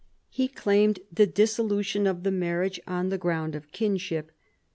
He claimed the dissolution of the marriage on the ground of kinship.